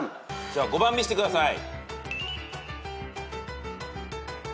じゃあ５番見してください。